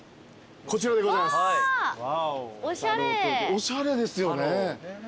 おしゃれですよね。